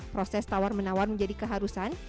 proses tawar menawar menjadi keharusan